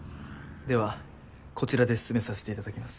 ではこちらで進めさせていただきます。